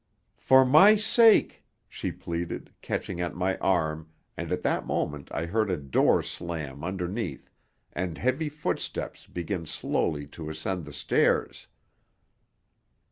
"For my sake," she pleaded, catching at my arm, and at that moment I heard a door slam underneath and heavy footsteps begin slowly to ascend the stairs.